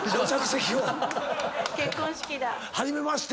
結婚式だ。